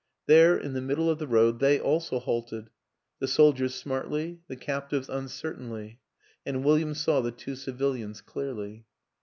There, in the middle of the road, they also halted the soldiers smartly, the captives uncertainly and William saw the two civilians clearly.